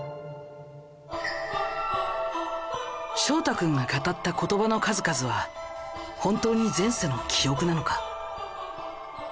翔太君が語った言葉の数々は本当に前世の記憶なのか？